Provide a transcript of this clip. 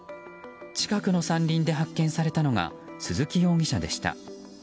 近くの山林で発見されたのが鈴木容疑者でした。